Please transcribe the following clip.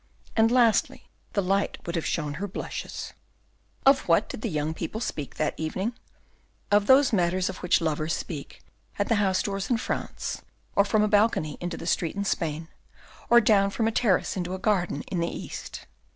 And lastly, the light would have shown her blushes. Of what did the young people speak that evening? Of those matters of which lovers speak at the house doors in France, or from a balcony into the street in Spain, or down from a terrace into a garden in the East.